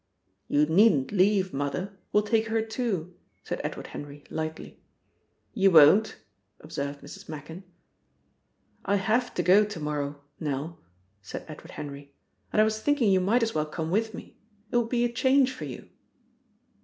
"You needn't leave Mother. We'll take her too," said Edward Henry lightly. "You won't!" observed Mrs. Machin. "I have to go to morrow, Nell," said Edward Henry. "And I was thinking you might as well come with me. It will be a change for you."